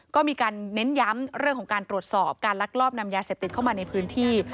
ก็มีการเน้นย้ำเรื่องของการตรวจสอบการลักลอบนำยาเสพติดเข้ามาในพื้นที่